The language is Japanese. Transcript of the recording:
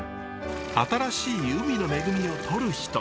新しい海の恵みをとる人。